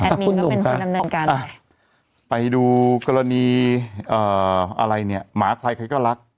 อ่าถ้าคุณหนุ่มค่ะไปดูกรณีอะไรเนี่ยหมาใครใครก็รัก